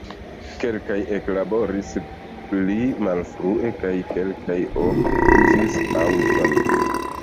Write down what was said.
Kelkaj eklaboris pli malfrue kaj kelkaj ope uzis aŭton.